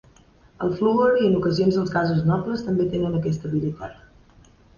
El fluor i en ocasions els gasos nobles, també tenen aquesta habilitat.